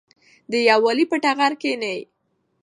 د یووالي په ټغر کېنئ.